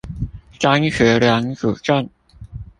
張學良主政